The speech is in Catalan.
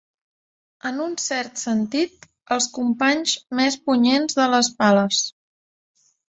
En un cert sentit, els companys més punyents de les pales.